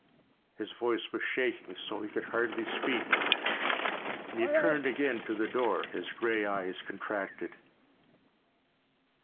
His voice was shaking so he could hardly speak and he turned again to the door, his gray eyes contracted.